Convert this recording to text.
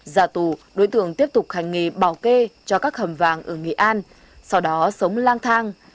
già tù đối tượng tiếp tục hành nghề bảo kê cho các hầm vàng ở nghệ an sau đó sống lang thang